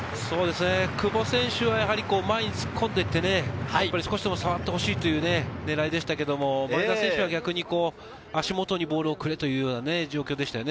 久保選手は前に突っ込んで行って、少しでも触ってほしいという狙いでしたけど、前田選手は逆に足元にボールをくれという状況でした。